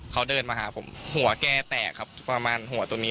เขาเดินมาหาผมหัวแกแตกครับประมาณหัวตรงนี้